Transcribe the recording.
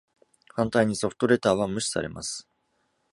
反対に、ソフトレターは無視されます。